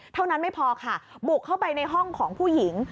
เท่านั้นไม่พอค่ะบุกเข้าไปในห้องของผู้หญิง